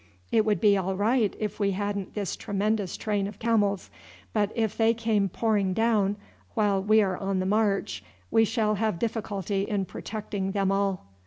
It would be all right if we hadn't this tremendous train of camels; but if they come pouring down while we are on the march we shall have difficulty in protecting them all."